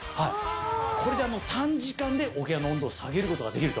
これで短時間でお部屋の温度を下げることができると。